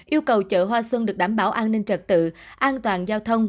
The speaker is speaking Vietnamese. yêu cầu chợ hoa xuân được đảm bảo an ninh trật tự an toàn giao thông